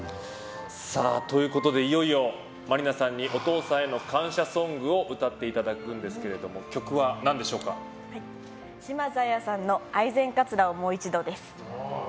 いよいよ真里奈さんにお父さんへの感謝ソングを歌っていただくんですけども島津亜矢さんの「愛染かつらをもう一度」です。